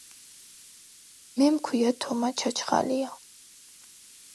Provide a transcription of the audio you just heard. მე მქვია თომა ჩაჩხალია